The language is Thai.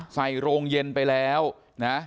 ใส่โรงเย็นไปแล้วนะ